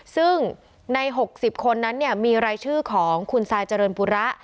ซึ่งใน๖๐คนนั้นมีรายชื่อของคุณซายเจริญปุระ